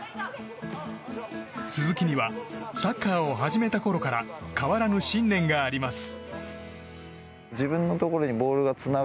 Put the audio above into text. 鈴木には、サッカーを始めたころから変わらぬ信念があります。